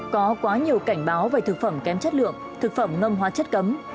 có quá nhiều cảnh báo về thực phẩm kém chất lượng thực phẩm ngâm hóa chất cấm